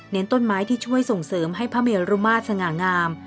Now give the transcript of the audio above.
ต้นไม้ที่ช่วยส่งเสริมให้พระเมรุมาตรสง่างาม